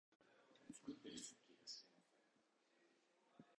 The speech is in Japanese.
作った奴の気が知れません